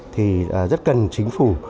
thì rất cần chính phủ